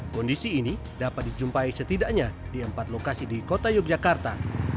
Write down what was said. kondisi ini dapat dijumpai setidaknya di empat lokasi di kota yogyakarta